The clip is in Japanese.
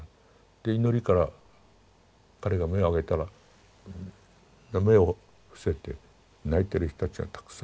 で祈りから彼が目を上げたら目を伏せて泣いてる人たちがたくさんいた。